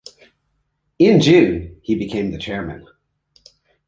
In June, he became the chairman.